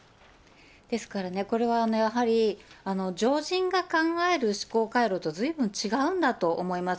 ですからね、これはやはり、常人が考える思考回路とずいぶん違うんだと思います。